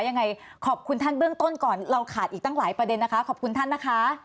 ยังไงขอบคุณท่านเบื้องต้นก่อนเราขาดอีกตั้งหลายประเด็นนะคะขอบคุณท่านนะคะ